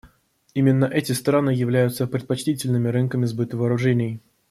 Именно эти страны являются предпочтительными рынками сбыта вооружений.